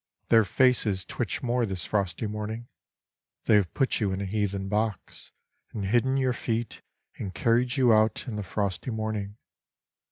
Their faces twitch more this frosty morning j They have put you in a heathen box And hidden your feet and carried you out in the frosty morning.